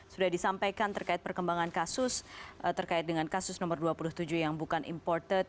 sudah disampaikan terkait perkembangan kasus terkait dengan kasus nomor dua puluh tujuh yang bukan imported